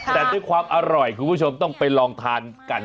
แต่เราความอร่อยคือผู้ชมต้องไปลองทายนี่กัน